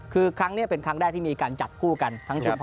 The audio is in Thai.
คือครั้งนี้เป็นครั้งแรกที่มีการจับคู่กันทั้งชุด